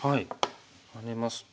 ハネますと。